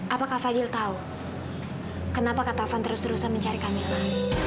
apakah fadil tahu kenapa kak taufan terus terusan mencari kamilah